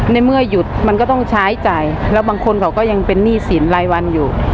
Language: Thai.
ในเมื่อหยุดมันก็ต้องใช้จ่ายแล้วบางคนเขาก็ยังเป็นหนี้สินรายวันอยู่